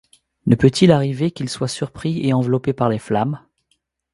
Ne peut-il arriver qu’ils soient surpris et enveloppés par les flammes?